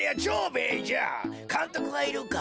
かんとくはいるか？